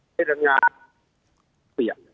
ขอบคุณที่เราประเภทบ้านเติมมือ